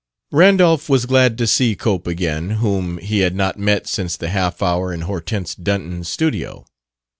Randolph was glad to see Cope again, whom he had not met since the half hour in Hortense Dunton's studio.